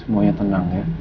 semuanya tenang ya